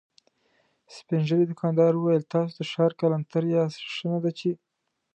سپين ږيری دوکاندار وويل: تاسو د ښار کلانتر ياست، ښه نه ده چې…